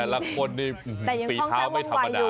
แต่ละคนนี่ฝีเท้าไม่ธรรมดา